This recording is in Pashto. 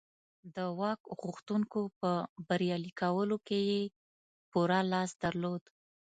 د واک غوښتونکو په بریالي کولو کې یې پوره لاس درلود